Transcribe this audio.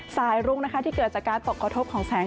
รุ้งนะคะที่เกิดจากการตกกระทบของแสง